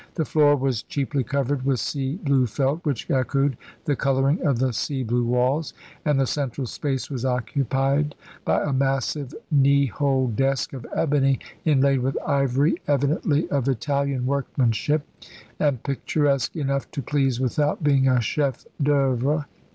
The floor was cheaply covered with sea blue felt, which echoed the colouring of the sea blue walls, and the central space was occupied by a massive knee hole desk of ebony, inlaid with ivory, evidently of Italian workmanship, and picturesque enough to please without being a chef d'oeuvre.